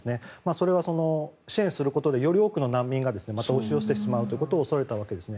それは支援することでより多くの難民がまた押し寄せてしまうことを恐れたわけです。